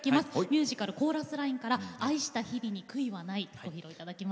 ミュージカル「コーラスライン」から「愛した日々に悔いはない」ご披露いただきます。